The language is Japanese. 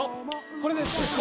これです。